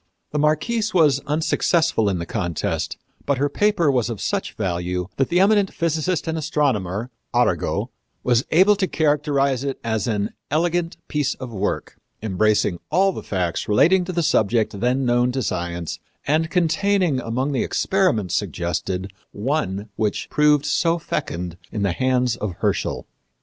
The Marquise was unsuccessful in the contest, but her paper was of such value that the eminent physicist and astronomer, Arago, was able to characterize it as an "elegant piece of work, embracing all the facts relating to the subject then known to science and containing among the experiments suggested one which proved so fecund in the hands of Herschel."